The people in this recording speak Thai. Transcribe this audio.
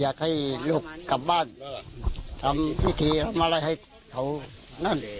อยากให้ลูกกลับบ้านแล้วฮะทำวิธีร้ำอะไรให้เขานั่น